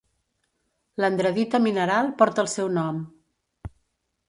L'andradita mineral porta el seu nom.